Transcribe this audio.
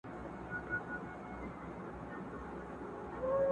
اشنا!٫.